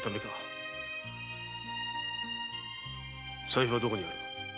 財布はどこにある？